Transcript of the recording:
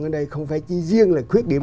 ở đây không phải chỉ riêng là khuyết điểm